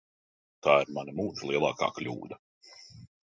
Tā ir mana mūža lielākā kļūda.